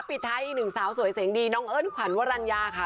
ปิดท้ายอีกหนึ่งสาวสวยเสียงดีน้องเอิ้นขวัญวรรณยาค่ะ